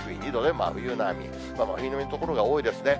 真冬並みの所が多いですね。